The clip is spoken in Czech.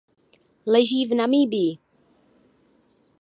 Leží v Namibii.